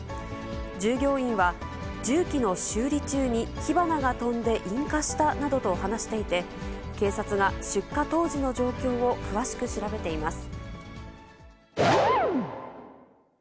従業員は、重機の修理中に火花が飛んで引火したなどと話していて、警察が出火当時の状況を詳しく調べています。